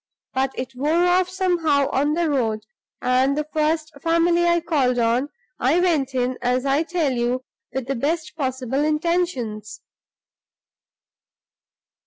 But it wore off somehow on the road; and the first family I called on, I went in, as I tell you, with the best possible intentions.